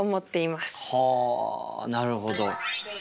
はあなるほど。